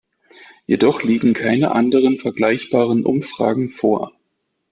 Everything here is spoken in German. Jedoch liegen keine anderen vergleichbaren Umfragen vor.